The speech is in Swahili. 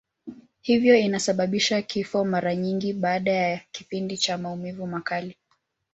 Hivyo inasababisha kifo, mara nyingi baada ya kipindi cha maumivu makali.